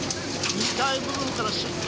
２階部分から出火。